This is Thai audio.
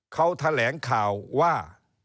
เขาแถลงข่าวว่า